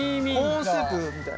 コーンスープみたい。